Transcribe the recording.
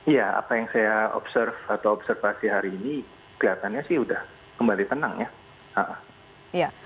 ya apa yang saya observasi hari ini kelihatannya sudah kembali tenang ya